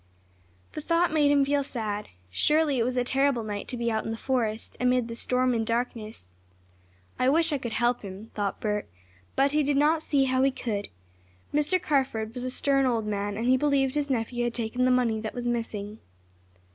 The thought made him feel sad. Surely it was a terrible night to be out in the forest, amid the storm and darkness. "I wish I could help him," thought Bert, but he did not see how he could. Mr. Carford was a stern old man, and he believed his nephew had taken the money that was missing.